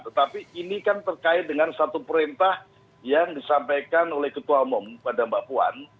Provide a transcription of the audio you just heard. tetapi ini kan terkait dengan satu perintah yang disampaikan oleh ketua umum pada mbak puan